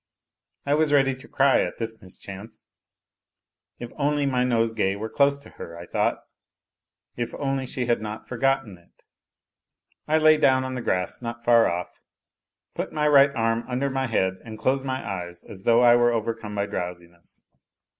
I was ready to cry at this mischance. " If only my nosegay were close to her," I thought ; "if only she had not forgotten it !" I lay down on the grass not far off, put my right arm under my head, and closed my eyes as though I were overcome by drowsiness.